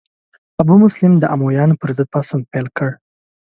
ابو مسلم د امویانو پر ضد پاڅون پیل کړ.